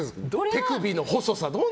手首の細さ。